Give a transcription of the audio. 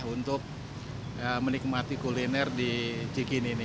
untuk menikmati kuliner di cikini ini